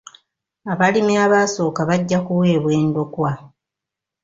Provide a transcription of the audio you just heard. Abalimi abaasooka bajja kuweebwa endokwa.